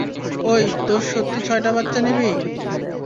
ওই, তোর সত্যি ছয়টা বাচ্চা নিবি?